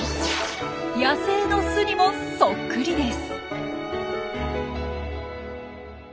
野生の巣にもそっくりです。